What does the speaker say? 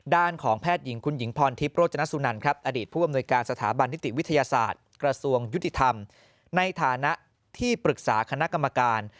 ด้านของแพทย์หญิงคุณหญิงพรทิพย์โรจนสุนันครับอดีตผู้อำนวยการสถาบันนิติวิทยาศาสตร์กระทรวงยุติธรรมในฐานะที่ปรึกษาคณะกรรมการ